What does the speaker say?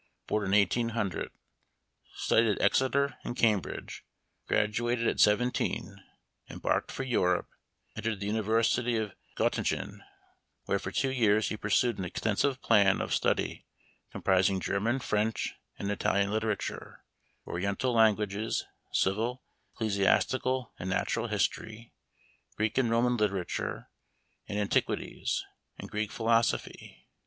born in 1800, studied at Exeter and Cambridge, graduated at seven teen, embarked for Europe, entered the University of Got tingen, where for two years he pursued an extensive plan of study, comprising German, French, and Italian literature, Oriental languages, civil, ecclesiastical, and natural history, Greek and Roman literature and antiquities, and Greek Phi losophy.